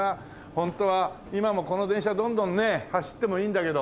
ホントは今もこの電車どんどんね走ってもいいんだけど。